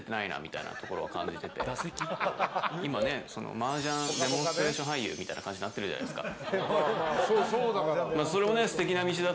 マージャンデモンストレーション俳優みたいな感じになってるじゃないですか。